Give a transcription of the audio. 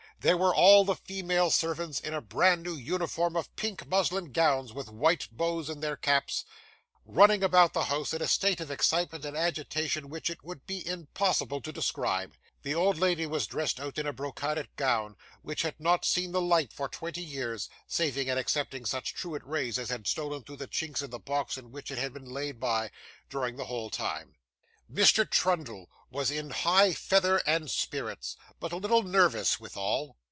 There were all the female servants in a bran new uniform of pink muslin gowns with white bows in their caps, running about the house in a state of excitement and agitation which it would be impossible to describe. The old lady was dressed out in a brocaded gown, which had not seen the light for twenty years, saving and excepting such truant rays as had stolen through the chinks in the box in which it had been laid by, during the whole time. Mr. Trundle was in high feather and spirits, but a little nervous withal.